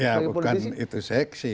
ya bukan itu seksi